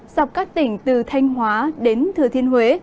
dọc các tỉnh từ thanh hóa đến thừa thiên huế